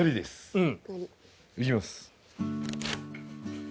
うん！